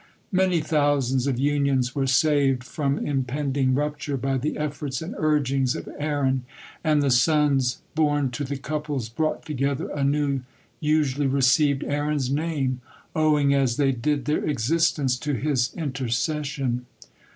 Many thousands of unions were saved from impending rupture by the efforts and urgings of Aaron, and the sons born to the couples brought together anew usually received Aaron's name, owing, as they did, their existence to his intercession.